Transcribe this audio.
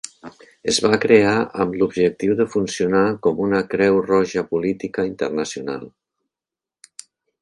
Es va crear amb l'objectiu de funcionar com una Creu Roja política internacional.